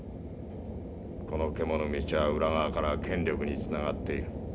このけものみちは裏側から権力につながっている。